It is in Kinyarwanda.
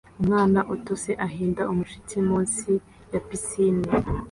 Umwana utose ahinda umushyitsi munsi ya pisine